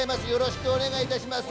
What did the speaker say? よろしくお願いします